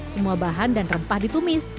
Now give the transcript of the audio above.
semua bahan dan rempah ditumis